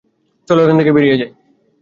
চলো, এখান থেকে বেরিয়ে যাই!